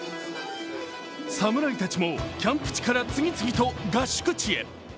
侍たちもキャンプ地から次々と合宿地へ。